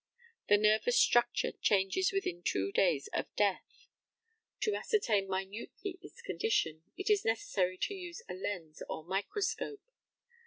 The nervous structure changes within two days of death. To ascertain minutely its condition, it is necessary to use a lens or microscope.